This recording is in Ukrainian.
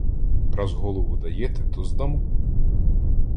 Раз голову даєте, то здамо.